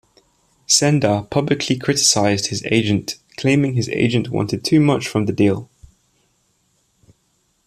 Senda publicly criticised his agent claiming his agent wanted 'too much' from the deal.